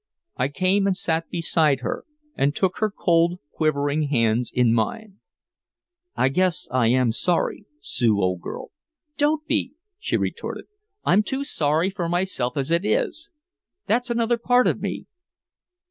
I came and sat beside her, and took her cold, quivering hands in mine: "I guess I am sorry, Sue old girl " "Don't be," she retorted. "I'm too sorry for myself as it is! That's another part of me!"